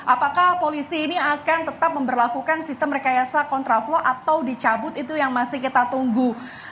apakah polisi ini akan tetap memperlakukan sistem rekayasa kontraflow atau dicabut itu yang masih kita tunggu